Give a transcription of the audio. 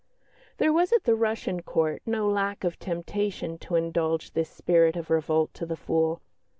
There was at the Russian Court no lack of temptation to indulge this spirit of revolt to the full.